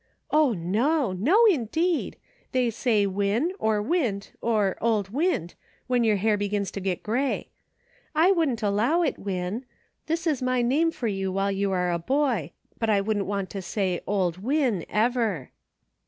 " O, no !— no indeed ; they say * Win,' or * Wint,' and * Old Wint,' when your hair begins to get gray. I wouldn't allow it. Win. This is my name for you while you are a boy ; but I wouldn't want to say ' Old Win ' ever."